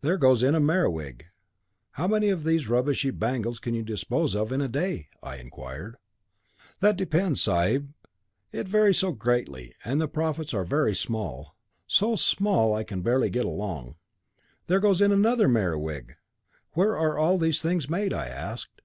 There goes in a Merewig.' 'How many of these rubbishy bangles can you dispose of in a day?' I inquired. 'That depends, sahib. It varies so greatly, and the profits are very small. So small that I can barely get along. There goes in another Merewig.' 'Where are all these things made?' I asked.